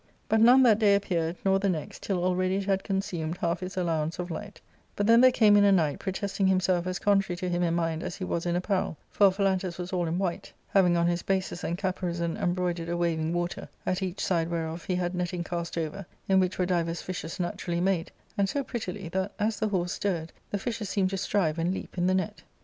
But none that day appeared, nor the next, till already it had consumed half his Allowance of light; but then there came in a knight, protesting himself as con trary to him in mind as he was in apparel ; fni r]in1i}nti[i was all in white, having on his bases* and caparison embroidered a waving water, at each side whereof he had netting cast over, in which were divers fishes naturally made, and so prettily, that as the horse stirred, the fishes seemed to strive and leap in the net.